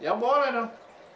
ya boleh dong